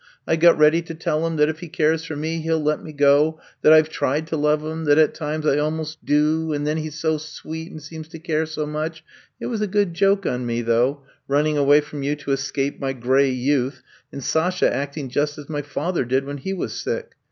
I got ready to tell him that if he cares for me he ^11 let me go — ^that I Ve tried to love him — that at times I almost do. And then, he 's so sweet and seems to care so much. It was a good joke on me, though, running away from you to escape ^7 gray youth, and Sasha acting just as my father did when he was sick.